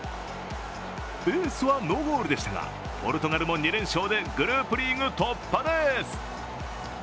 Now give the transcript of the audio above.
エースはノーゴールでしたがポルトガルも２連勝でグループリーグ突破です。